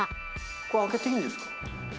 これ、開けていいんですか？